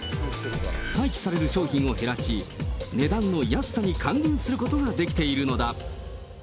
廃棄される商品を減らし、値段の安さに還元することができているのだ。